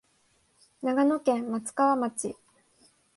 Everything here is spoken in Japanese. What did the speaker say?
長野県松川町